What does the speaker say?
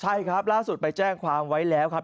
ใช่ครับล่าสุดไปแจ้งความไว้แล้วครับ